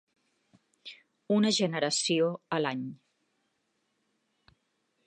Una generació a l'any.